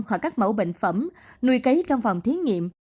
khỏi các mẫu bệnh phẩm nuôi cấy trong phòng thí nghiệm